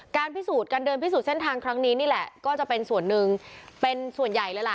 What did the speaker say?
การพิสูจน์การเดินพิสูจนเส้นทางครั้งนี้นี่แหละก็จะเป็นส่วนหนึ่งเป็นส่วนใหญ่เลยล่ะ